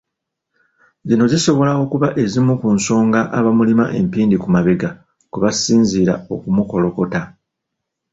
Zino zisobola okuba ezimu ku nsonga abamulima empindi ku mabega kwe basinziira okumukolokota.